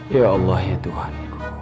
ya allah ya tuhan